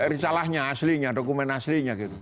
ricalahnya aslinya dokumen aslinya